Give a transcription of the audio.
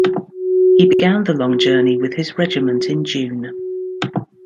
He began the long journey with his regiment in June.